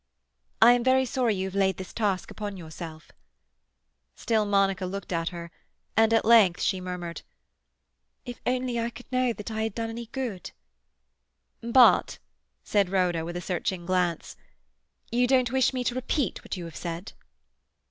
"I am very sorry you have laid this task upon yourself—" Still Monica looked at her, and at length murmured,— "If only I could know that I had done any good—" "But," said Rhoda, with a searching glance, "you don't wish me to repeat what you have said?"